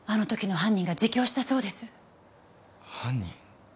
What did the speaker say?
犯人。